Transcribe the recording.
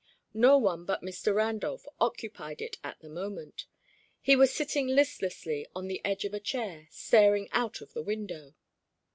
No one but Mr. Randolph occupied it at the moment. He was sitting listlessly on the edge of a chair, staring out of the window.